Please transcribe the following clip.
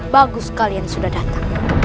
bagus kalian sudah datang